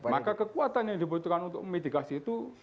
maka kekuatan yang dibutuhkan untuk memitigasi itu